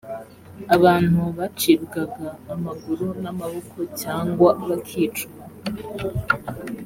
abantu bacibwaga amaguru n amaboko cyangwa bakicwa